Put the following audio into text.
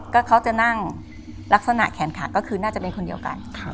ก็เขาจะนั่งลักษณะแขนขาก็คือน่าจะเป็นคนเดียวกัน